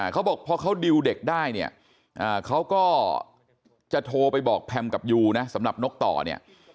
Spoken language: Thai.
เขาบอกพอเขาดิวเด็กได้เนี่ยเขาก็จะโทรไปบอกแพมกับยูนะสำหรับนกต่อเนี่ย